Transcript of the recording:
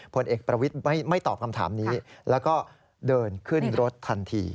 ผลเอกประวิทย์ไม่ตอบคำถามนี้แล้วก็เดินขึ้นรถทันที